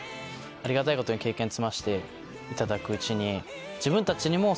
ありがたいことに経験積ませていただくうちに。